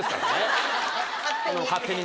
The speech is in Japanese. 勝手に。